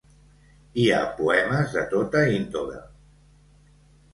Hi ha poemes de tota índole.